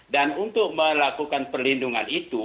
dan untuk melakukan perlindungan itu